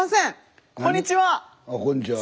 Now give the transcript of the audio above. こんにちは！何？